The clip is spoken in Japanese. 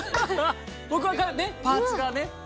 僕はパーツがね。